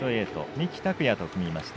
三木拓也と組みました。